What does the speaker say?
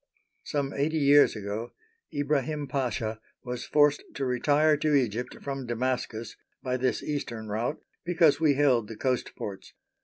Some eighty years ago Ibrahim Pasha was forced to retire to Egypt from Damascus by this eastern route because we held the coast ports.